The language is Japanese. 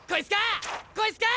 こいつか？